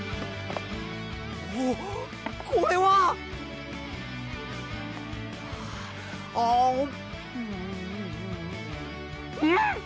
おぉこれはうっ！